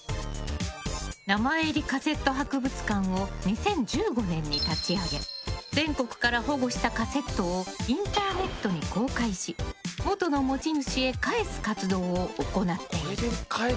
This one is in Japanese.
名前入りカセット博物館を２０１５年に立ち上げ全国から保護したカセットをインターネットに公開し元の持ち主へ返す活動を行っている。